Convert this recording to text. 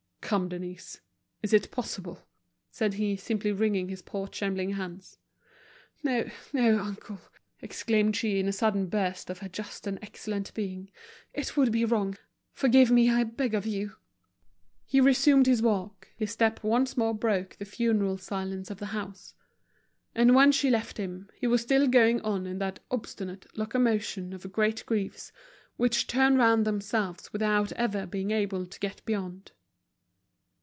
"Come, Denise, is it possible?" said he, simply, wringing his poor trembling hands. "No, no, uncle," exclaimed she, in a sudden burst of her just and excellent being. "It would be wrong. Forgive me, I beg of you." He resumed his walk, his step once more broke the funereal silence of the house. And when she left him, he was still going on in that obstinate locomotion of great griefs, which turn round themselves without ever being able to get beyond.